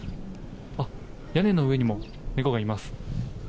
あっ、屋根の上にも猫がいます。